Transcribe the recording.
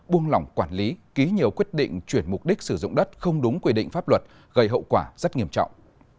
buông lỏng quản lý ký nhiều quyết định chuyển mục đích sử dụng đất không đúng quy định pháp luật gây hậu quả rất nghiêm trọng